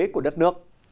của đất nước